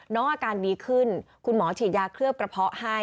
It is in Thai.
น้องอาการดีขึ้นคุณหมอฉีดยาเคลือบกระเพาะให้